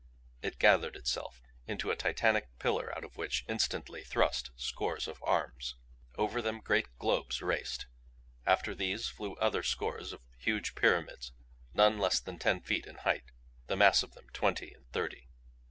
It gathered itself into a Titanic pillar out of which, instantly, thrust scores of arms. Over them great globes raced; after these flew other scores of huge pyramids, none less than ten feet in height, the mass of them twenty and thirty.